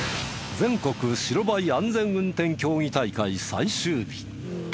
全国白バイ安全運転競技大会最終日。